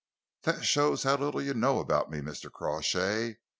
"That shows how little you know about me, Mr. Crawshay."